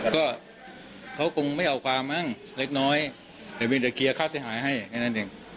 ก็เค้ากงไม่เอาความมั้งเล็กแต่มีแต่เคลียร์ค่าเสียหายให้แบบนั้นแดง